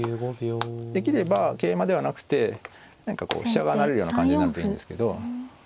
できれば桂馬ではなくて何かこう飛車が成れるような感じになるといいんですけど。